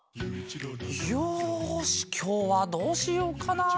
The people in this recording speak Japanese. よしきょうはどうしようかな？